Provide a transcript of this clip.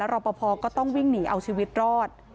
รอปภก็ต้องวิ่งหนีเอาชีวิตรอด